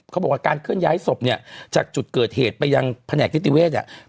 เขาบอกว่าการเคลื่อนย้ายศพเนี่ยจากจุดเกิดเหตุไปยังแผนกนิติเวศอ่ะ